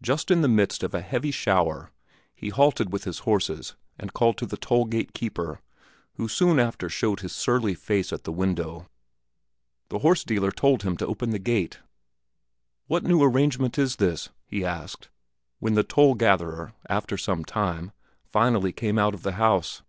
Just in the midst of a heavy shower he halted with his horses and called to the toll gate keeper, who soon after showed his surly face at the window. The horse dealer told him to open the gate. "What new arrangement is this?" he asked, when the toll gatherer, after some time, finally came out of the house.